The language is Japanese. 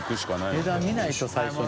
値段見ないと最初に。